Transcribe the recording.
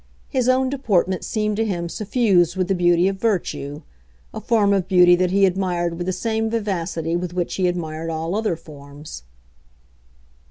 His own deportment seemed to him suffused with the beauty of virtue—a form of beauty that he admired with the same vivacity with which he admired all other forms.